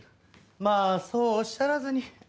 まあそうおっしゃらずに。